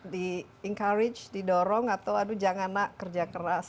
di encourage didorong atau aduh jangan nak kerja keras